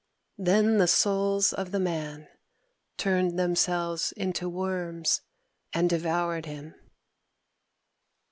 Then the Souls of the Man turned themselves into worms, and devoured him.